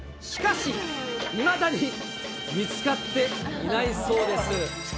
しかし、いまだに見つかっていないそうです。